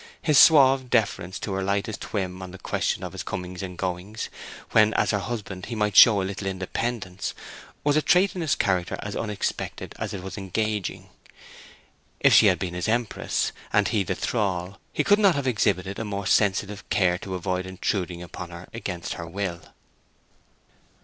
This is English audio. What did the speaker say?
His suave deference to her lightest whim on the question of his comings and goings, when as her lawful husband he might show a little independence, was a trait in his character as unexpected as it was engaging. If she had been his empress, and he her thrall, he could not have exhibited a more sensitive care to avoid intruding upon her against her will.